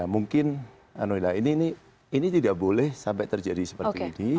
mungkin ini tidak boleh sampai terjadi seperti ini